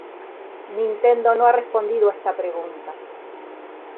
Nintendo no ha respondido a esta pregunta.